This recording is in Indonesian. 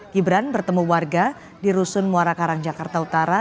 gibran bertemu warga di rusun muara karang jakarta utara